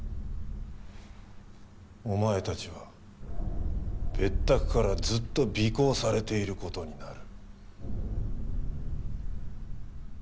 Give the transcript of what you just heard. お前たちは別宅からずっと尾行されている事になる。